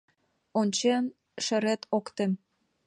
Ончен, шерет ок тем.